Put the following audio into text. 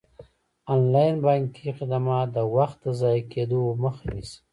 انلاین بانکي خدمات د وخت د ضایع کیدو مخه نیسي.